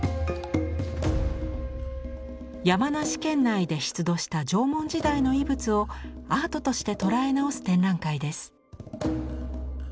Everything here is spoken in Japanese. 山梨県内で出土した縄文時代の遺物をアートとして捉え直す展覧会です。